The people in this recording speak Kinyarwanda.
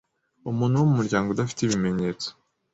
Umuntu wo mu muryango udafite ibimenyetso